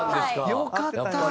よかった！